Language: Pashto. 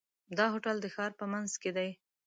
دا هوټل د ښار په منځ کې دی.